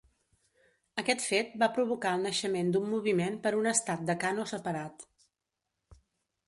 Aquest fet va provocar el naixement d'un moviment per un estat de Kano separat.